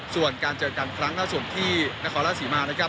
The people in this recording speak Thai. ส่วนการเจอกันครั้งหน้าส่วนที่นะครัสศิมา